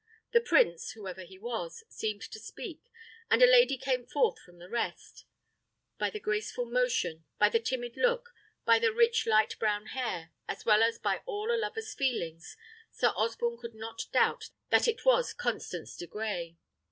The prince, whoever he was, seemed to speak, and a lady came forth from the rest. By the graceful motion, by the timid look, by the rich light brown hair, as well as by all a lover's feelings, Sir Osborne could not doubt that it was Constance de Grey.